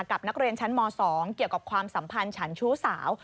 กับนักเรียนชั้นม๒เกี่ยวกับความสัมพันธ์ฉันชู้สาว